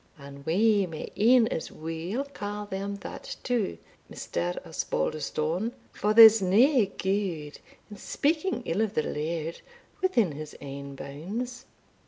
And we may e'en as weel ca' them that too, Mr. Osbaldistone, for there's nae gude in speaking ill o' the laird within his ain bounds."